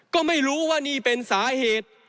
ก็ไม่รู้ว่านี่เป็นสาเหตุ